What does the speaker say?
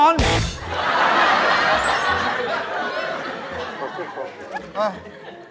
โดดเชียว